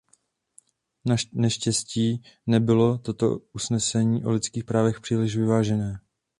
Naneštěstí nebylo toto usnesení o lidských právech příliš vyvážené.